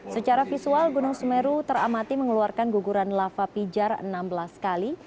secara visual gunung semeru teramati mengeluarkan guguran lava pijar enam belas kali